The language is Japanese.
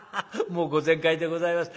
もうご全快でございます。